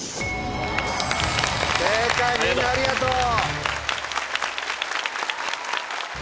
正解みんなありがとう！